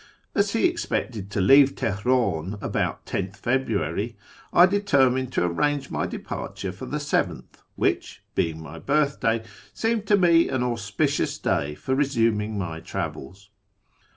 As he expected to leave Teheran about 10th February, I determined to arrange my departure for the 7th, which, being my birthday, seemed to me an auspicious day for resuming my travels.